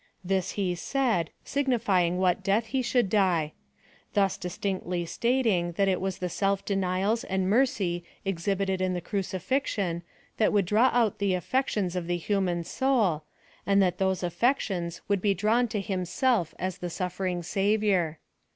Tliis he said, signifying what death be should die : thus dis tinctly stat.mg that it was the self denials and mercy exhibited in the crucifixion that would draw out the affections of tlie human soul, and that those af fections would be drawn to himself as the suffering Savior.